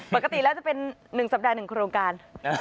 ปกติแล้วจะเป็น๑สัปดาห์๑โครงการ